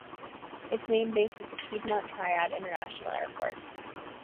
Its main base is the Piedmont Triad International Airport.